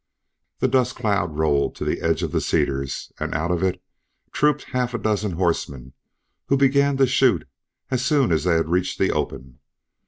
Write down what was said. The dust cloud rolled to the edge of the cedars, and out of it trooped half a dozen horsemen who began to shoot as soon as they had reached the open.